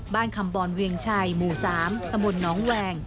คำบอลเวียงชัยหมู่๓ตำบลน้องแวง